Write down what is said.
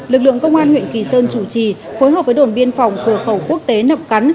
lực lượng công an huyện kỳ sơn chủ trì phối hợp với đồn biên phòng cửa khẩu quốc tế nậm cắn